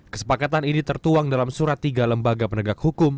kesepakatan ini tertuang dalam surat tiga lembaga penegak hukum